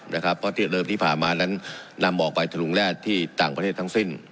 เพราะที่เริ่มที่ผ่านมานั้นนำออกไปทะลุงแร่ที่ต่างประเทศทั้งสิ้น